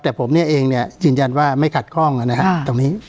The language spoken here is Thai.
แต่ผมเนี่ยเองเนี่ยจริงจันว่าไม่ขัดคล่องนะครับตรงนี้